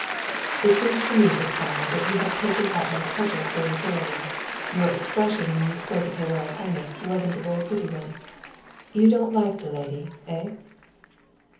"It seems to me, Gaspar, that you have taken up my cudgels very thoroughly. Your expression when you spoke of her Royal Highness wasn't a very pretty one. You don't like the lady, eh?"